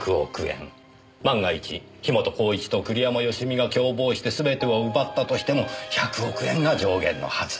万が一樋本晃一と栗山佳美が共謀してすべてを奪ったとしても１００億円が上限のはず。